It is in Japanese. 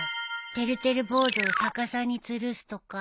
てるてる坊主を逆さにつるすとか？